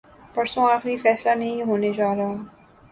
پرسوں آخری فیصلہ نہیں ہونے جارہا۔